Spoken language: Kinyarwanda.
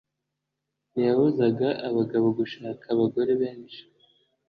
Ntiyabuzaga abagabo gushaka abagore benshi